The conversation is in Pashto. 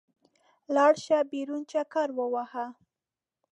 لاړ شه، بېرون چکر ووهه.